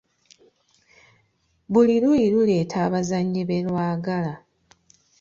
Buli luuyi luleeta abazannyi be lwagala.